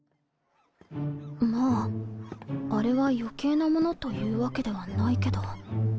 まぁあれは余計なものというわけではないけど